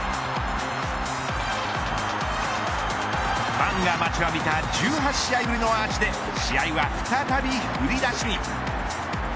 ファンが待ちわびた１８試合ぶりのアーチで試合は再び振り出しに。